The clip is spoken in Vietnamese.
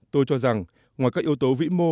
tôi cho rằng ngoài các yếu tố vĩ mô